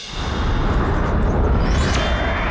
ถูกว่า